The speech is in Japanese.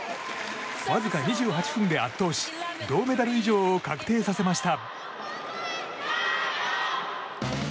わずか２８分で圧倒し銅メダル以上を確定させました。